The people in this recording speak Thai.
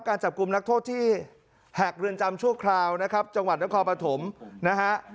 การจับกลุ่มนักโทษที่หักเรือนจำชั่วคราวนะครับจังหวัดนครปฐมนะฮะ